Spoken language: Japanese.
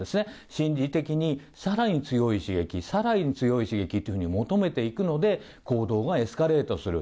心理的にさらに強い刺激、さらに強い刺激っていうふうに求めていくので、行動がエスカレートする。